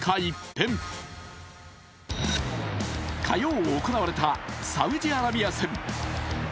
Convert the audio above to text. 火曜行われたサウジアラビア戦。